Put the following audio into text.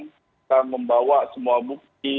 kita membawa semua bukti